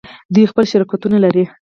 دوی خپل شرکتونه لري.